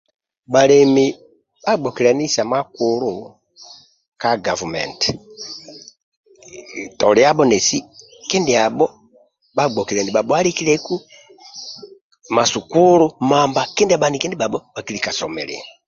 Bhalemi bhagbokiliani isa makulu ka gavumenti toliabho nesi bhagbokiliani bhabhualikilieku ma sukulu mbamba kindia bhaniki ndibhabho bhakilika somilia